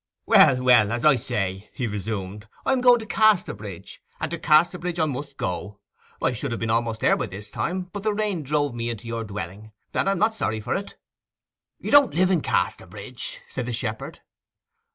'Well, well, as I say,' he resumed, 'I am going to Casterbridge, and to Casterbridge I must go. I should have been almost there by this time; but the rain drove me into your dwelling, and I'm not sorry for it.' 'You don't live in Casterbridge?' said the shepherd.